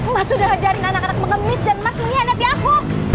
mas sudah ajarin anak anak mengemis dan mas mengkhianati aku